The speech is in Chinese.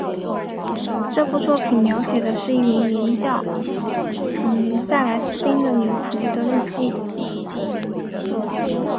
这部作品描写的是一名名叫塞莱丝汀的女仆的日记。